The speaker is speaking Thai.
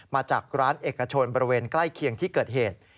มาจากร้านเอกชนบริเวณใกล้เคียงที่เกิดเหตุ